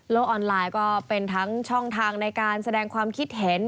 ออนไลน์ก็เป็นทั้งช่องทางในการแสดงความคิดเห็น